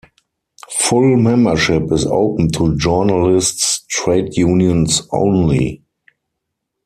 Full membership is open to journalists' trade unions only.